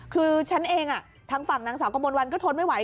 คือฉันเองทางฝั่งนางสาวกระมวลวันก็ทนไม่ไหว